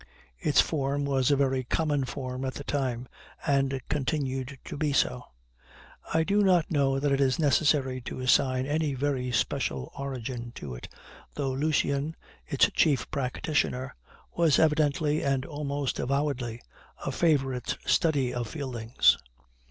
Its form was a very common form at the time, and continued to be so. I do not know that it is necessary to assign any very special origin to it, though Lucian, its chief practitioner, was evidently and almost avowedly a favorite study of Fielding's.